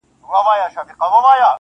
ما خو څو واره ازمويلى كنه,